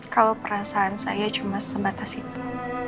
kalau perasaan saya cuma sebatas itu